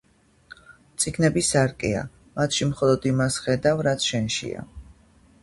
წიგნები სარკეა: მათში მხოლოდ იმას ხედავ, რაც შენშია